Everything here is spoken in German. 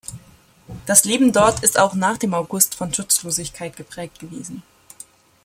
Das Leben dort ist auch nach dem August von Schutzlosigkeit geprägt gewesen.